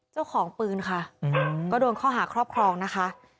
เจ้าของปืนค่ะก็โดนข้อหาครอบครองนะคะ